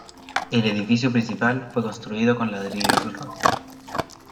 El edificio principal fue construido con ladrillos rojos.